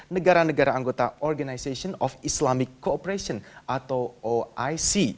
negara negara anggota organization of islamic cooperation atau oic